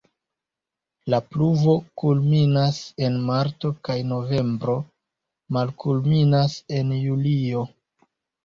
La pluvo kulminas en marto kaj novembro, malkulminas en julio.